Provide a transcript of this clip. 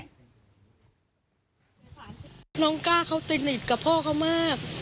น้องก้าเขาติดหนิดกับพ่อเขามาก